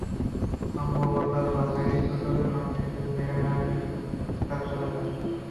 সম্ভাব্যতা যাচাই প্রকল্পের অংশ হিসেবে সেখানে আরেকটি কূপ খননের কাজ চলছে।